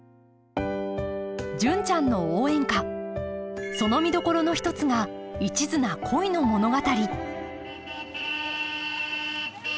「純ちゃんの応援歌」その見どころの一つが一途な恋の物語